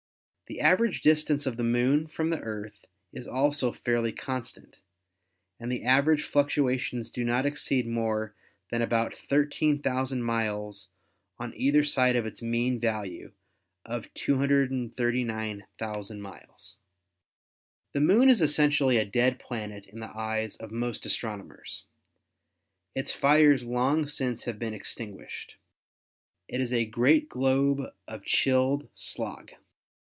The average distance of the Moon from the Earth is also fairly con stant, and the average fluctuations do not exceed more than about 13,000 miles on either side of its mean value of 239,000 miles. •Fig. 24 — Comparative Sizes of the Earth and the Moon. The Moon is essentially a dead planet in the eyes of most astronomers. Its fires long since have been ex tinguished. It is a great globe of chilled slag.